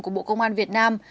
của bộ công an việt nam